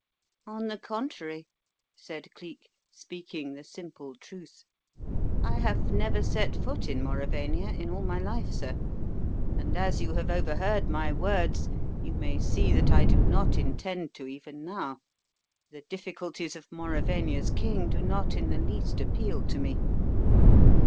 "On the contrary," said Cleek, speaking the simple truth. "I have never set foot in Mauravania in all my life, sir. And as you have overheard my words you may see that I do not intend to even now. The difficulties of Mauravania's king do not in the least appeal to me."